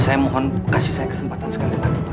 saya mohon kasih saya kesempatan sekali lagi